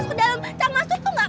seorang pemilik buddha